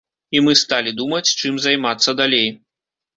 І мы сталі думаць, чым займацца далей.